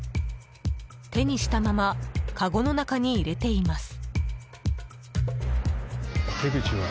手にしたままかごの中に入れています。